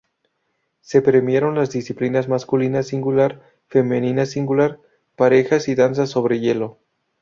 Se premiaron la disciplinas masculina singular, femenina singular, parejas y danza sobre hielo.